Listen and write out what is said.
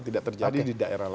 tidak terjadi di daerah